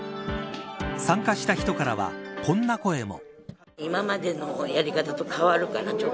参加した人からは、こんな声も。